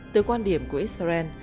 từ quan điểm của israel